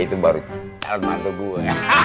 itu baru alat mantel gue